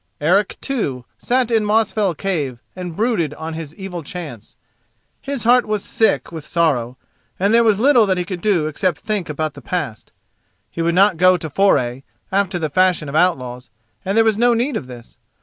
Eric, too, sat in Mosfell cave and brooded on his evil chance. His heart was sick with sorrow, and there was little that he could do except think about the past. He would not go to foray, after the fashion of outlaws, and there was no need of this.